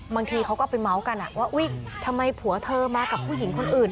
บางทีเขาก็ไปเมาส์กันว่าอุ๊ยทำไมผัวเธอมากับผู้หญิงคนอื่น